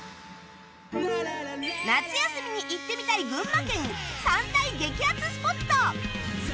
夏休みに行ってみたい群馬県３大激アツスポット